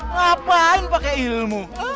ngapain pakai ilmu